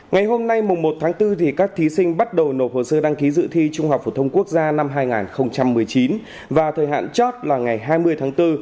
ngày hôm nay một tháng bốn các thí sinh bắt đầu nộp hồ sơ đăng ký dự thi trung học phổ thông quốc gia năm hai nghìn một mươi chín và thời hạn chót là ngày hai mươi tháng bốn